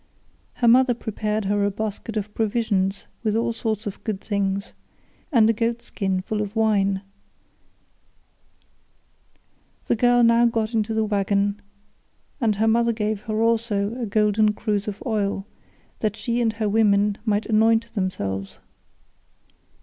Her mother prepared her a basket of provisions with all sorts of good things, and a goat skin full of wine; the girl now got into the waggon, and her mother gave her also a golden cruse of oil, that she and her women might anoint themselves.